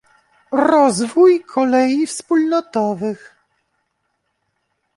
Rozwój kolei wspólnotowych